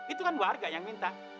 itu kan warga yang minta